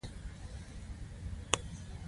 هغه زما د خوښې سندرغاړی دی.